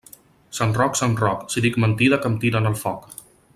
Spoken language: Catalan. Sant Roc, sant Roc, si dic mentida que em tiren al foc.